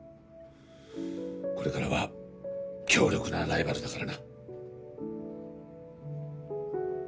これからは強力なライバルだからな。